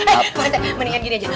eh pak rete mendingan gini aja